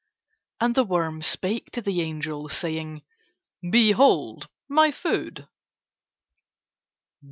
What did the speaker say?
And the worm spake to the angel saying: "Behold my food."